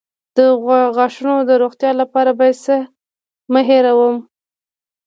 د غاښونو د روغتیا لپاره باید څه مه هیروم؟